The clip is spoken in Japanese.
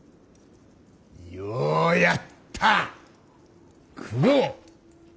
ようやった九郎。